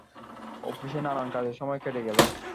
অফিসে নানান কাজে সময় কেটে গেল।